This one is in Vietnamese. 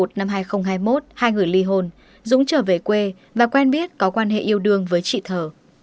trong thời gian công tác tại quân khu một hai người ly hôn dũng trở về quê và quen biết có quan hệ yêu đương với chị thờ